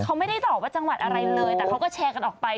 เขาไม่ได้ตอบว่าจังหวัดอะไรเลยแต่เขาก็แชร์กันออกไป